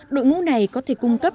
đội ngũ này có thể cung cấp